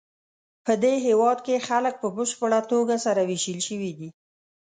پدې هېواد کې خلک په بشپړه توګه سره وېشل شوي دي.